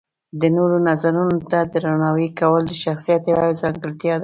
د نورو نظرونو ته درناوی کول د شخصیت یوه ځانګړتیا ده.